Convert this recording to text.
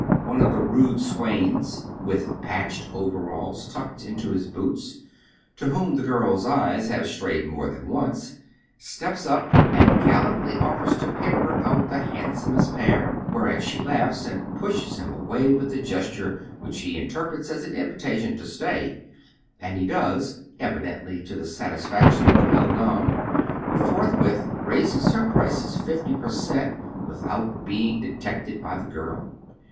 One of the rude swains, with patched overalls tucked into his boots, to whom the girl's eyes have strayed more than once, steps up and gallantly of fers to pick her out the handsomest pair, whereat she laughs and pushes hiin away with a gestnre which he in terprets as an invitation to stay; and he does, evidently to the satisfaction of the beldame, who forthwith raises her prices fifty per cent, without being detected by tiie girl.